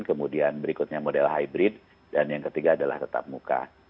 kemudian berikutnya model hybrid dan yang ketiga adalah tetap muka